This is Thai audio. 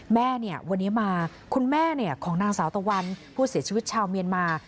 แม่เนี่ยวันนี้มาคุณแม่ของนางสาวตะวันผู้เสียชีวิตชาวเมียนมา